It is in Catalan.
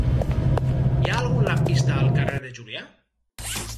Hi ha algun lampista al carrer de Julià?